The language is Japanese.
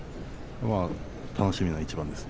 楽しみな一番です。